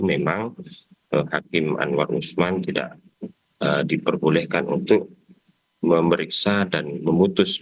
memang hakim anwar usman tidak diperbolehkan untuk memeriksa dan memutus